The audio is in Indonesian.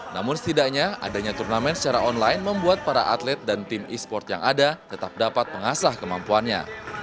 namun setidaknya adanya turnamen secara online membuat para atlet dan tim e sport yang ada tetap dapat mengasah kemampuannya